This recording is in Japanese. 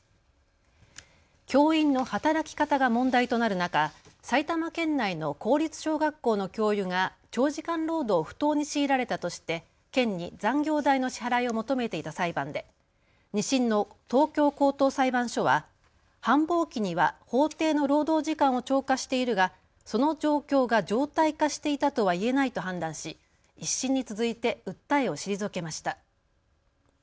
教員の働き方が問題となる中、埼玉県内の公立小学校の教諭が長時間労働を不当に強いられたとして県に残業代の支払いを求めていた裁判で２審の東京高等裁判所は繁忙期には法定の労働時間を超過しているがその状況が常態化していたとはいえないと判断し１審に続いて訴えを退けました。